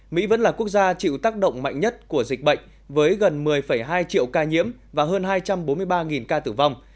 mỹ vẫn là quốc gia chịu tác động mạnh nhất của dịch bệnh với gần một mươi hai triệu ca nhiễm và hơn hai trăm bốn mươi ba ca tử vong